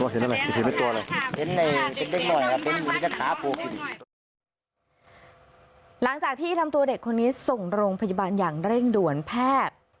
หลังจากที่ทำตัวเด็กคนนี้ส่งโรงพยาบาลอย่างเร่งด่วนแพทย์